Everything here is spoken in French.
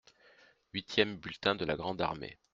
Huitième bulletin de la grande armée.